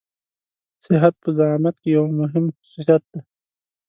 صحت په زعامت کې يو مهم خصوصيت دی.